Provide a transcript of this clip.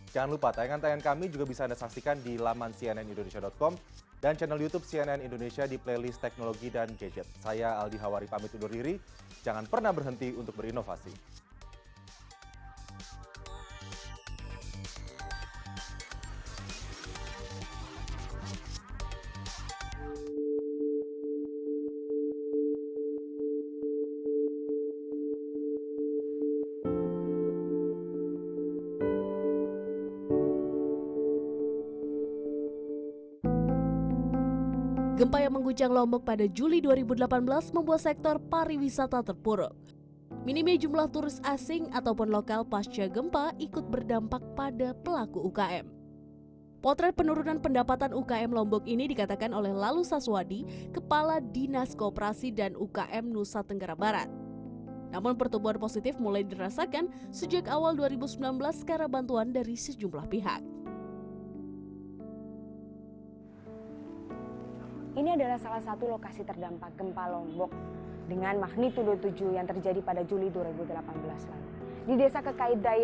jangan lupa tanya tanya kami juga bisa anda saksikan di laman cnnindonesia com dan channel youtube cnn indonesia di playlist teknologi dan gadget